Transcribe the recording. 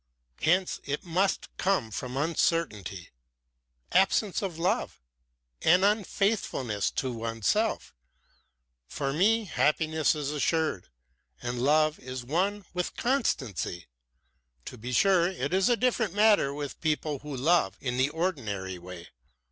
Hence it must come from uncertainty, absence of love, and unfaithfulness to oneself. For me happiness is assured, and love is one with constancy. To be sure, it is a different matter with people who love in the ordinary way.